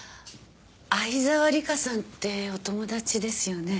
相沢里香さんってお友達ですよね？